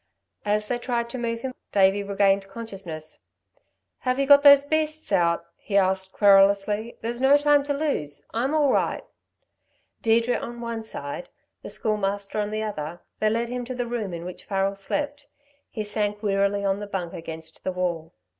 As they tried to move him, Davey regained consciousness. "Have you got those beasts out?" he asked querulously. "There's no time to lose. I'm all right." Deirdre on one side, the Schoolmaster on the other, they led him to the room in which Farrel slept. He sank wearily on the bunk against the wall.